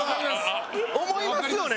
思いますよね？